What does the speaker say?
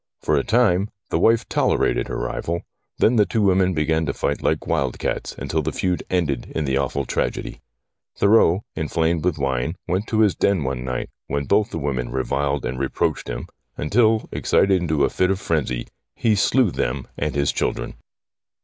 For a time the wife tolerated her rival, then the two women began to fight like wild cats until the feud ended in the awful tragedy. Thurreau, inflamed with wine, went to his den one night, when both the women reviled and reproached him until, excited into a fit of frenzy, he slew them and his children.